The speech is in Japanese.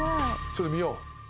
ちょっと見よう。